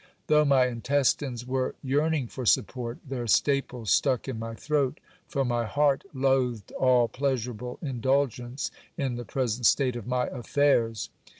Though my intestines were yearn ing for support, their staple stuck in my throat, for my heart loathed all plea surable indulgence in the present state of my affairs.